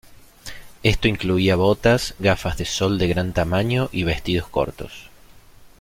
Esto incluía botas, gafas de sol de gran tamaño y vestidos cortos.